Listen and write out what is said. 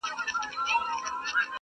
له فکرونو اندېښنو په زړه غمجن سو؛